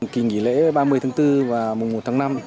kỳ nghỉ lễ ba mươi tháng bốn và mùa một tháng năm